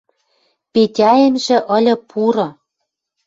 Петяэмжӹ ыльы пуры